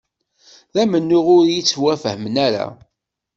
D amennuɣ ur yettwafham ara